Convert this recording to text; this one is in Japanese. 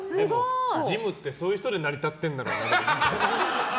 ジムって、そういう人で成り立ってるんだろうな。